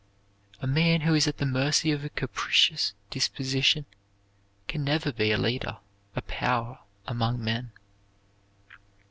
A man who is at the mercy of a capricious disposition can never be a leader, a power among men.